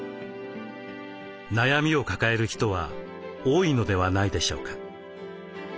悩みを抱える人は多いのではないでしょうか。